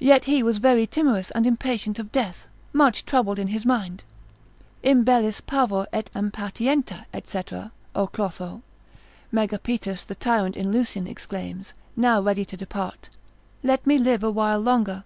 yet he was very timorous and impatient of death, much troubled in his mind, Imbellis pavor et impatientia, &c. O Clotho, Megapetus the tyrant in Lucian exclaims, now ready to depart, let me live a while longer.